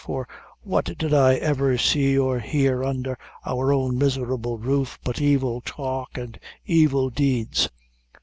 for what did I ever see or hear undher our own miserable roof, but evil talk and evil deeds?